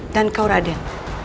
dan kau raden